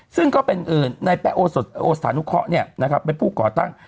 ซึ่งเป็นอื่นแบ๊คโอสทานุเคาเป็นผู้ก่อตั้ง